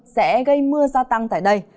sẽ gây mưa gia tăng tại đây